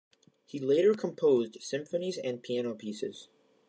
He later composed symphonies and piano pieces.